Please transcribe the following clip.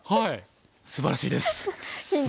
すばらしいです！